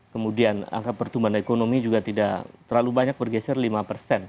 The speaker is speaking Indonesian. kemudian angka pertumbuhan ekonomi juga tidak terlalu banyak bergeser lima persen